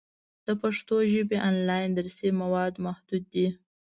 د پښتو ژبې آنلاین درسي مواد محدود دي.